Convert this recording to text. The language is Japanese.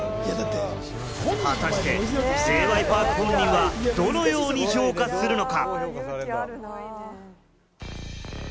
果たして、Ｊ．Ｙ．Ｐａｒｋは、どのように評価するのか？